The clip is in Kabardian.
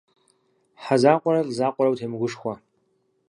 Хьэ закъуэрэ, лӏы закъуэрэ уатемыгушхуэ.